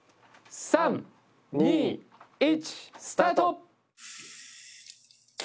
３・２・１スタート！